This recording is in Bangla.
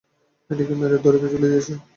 মেয়েটিকে মেরে দড়িতে ঝুলিয়ে দিয়েছে।